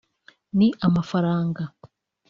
ni amafaranga